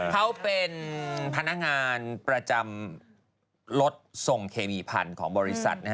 เขาเป็นพนักงานประจำรถทรงเคมีพันธุ์ของบริษัท